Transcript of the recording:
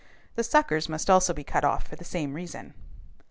The suckers must also be cut off for the same reason.